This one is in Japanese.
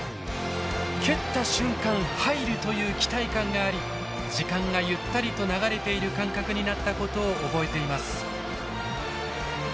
蹴った瞬間「入る」という期待感があり時間がゆったりと流れている感覚になったことを覚えています。